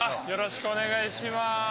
よろしくお願いします。